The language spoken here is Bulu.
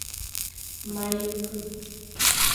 M'aye ke.